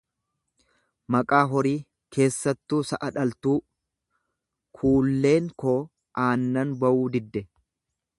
maqaa horii, keessattuu sa'a dhaltuu; Kuulleen koo aannan bawuu didde.